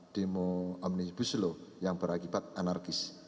demo omnibuslo yang berakibat anarkis